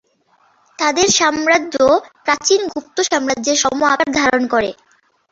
তাদের সাম্রাজ্য প্রাচীন গুপ্ত সাম্রাজ্যের সম আকার ধারণ করে।